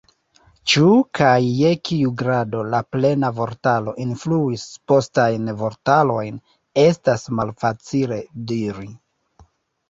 Ĉu kaj je kiu grado la "Plena Vortaro" influis postajn vortarojn, estas malfacile diri.